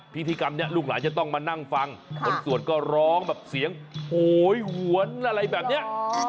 พิธีกรรมนี้ลูกหลานจะต้องมานั่งฟังคนสวดก็ร้องแบบเสียงโหยหวนอะไรแบบนี้